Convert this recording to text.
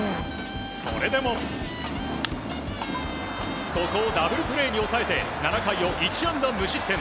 それでもここをダブルプレーに抑えて７回を１安打無失点。